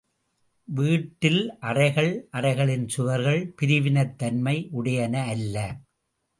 வீட்டில் அறைகள் அறைகளின் சுவர்கள் பிரிவினைத் தன்மை உடையன அல்ல.